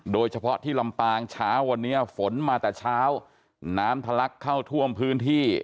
โดยเฉพาะที่ลำปางเช้าวันนี้ฝนมาแต่เช้าน้ำทะลักเข้าท่วมพื้นที่